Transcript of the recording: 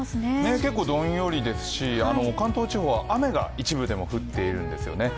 結構どんよりですし、関東地方は雨が一部でも降っているんですよね。